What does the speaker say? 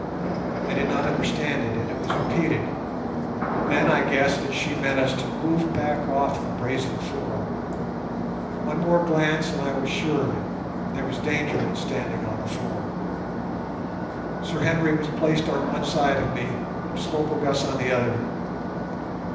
I did not understand it, and it was repeated. Then I guessed that she meant us to move back off the brazen floor. One more glance and I was sure of it—there was danger in standing on the floor. Sir Henry was placed on one side of me, Umslopogaas on the other.